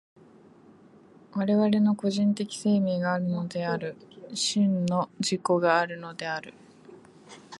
我々の個人的生命があるのである、真の自己があるのである。